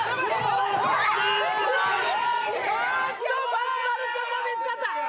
松丸君も見つかった！